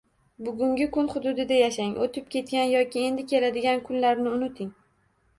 Bugungi kun hududida yashang, o‘tib ketgan yoki endi keladigan kunlarni unuting.